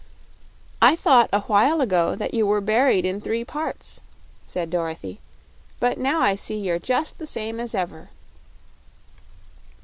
"I thought a while ago that you were buried in three parts," said Dorothy, "but now I see you're just the same as ever."